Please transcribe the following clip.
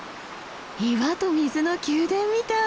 岩と水の宮殿みたい。